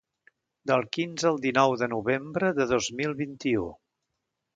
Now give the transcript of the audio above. Del quinze al dinou de novembre de dos mil vint-i-u.